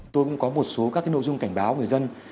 tôi cũng có một số các nội dung cảnh báo người dân